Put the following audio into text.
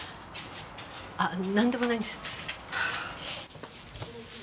ああなんでもないです。